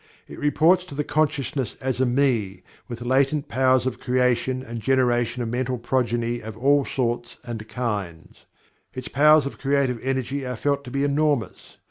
It reports to the consciousness as a "Me" with latent powers of creation and generation of mental progeny of all sorts and kinds. Its powers of creative energy are felt to be enormous.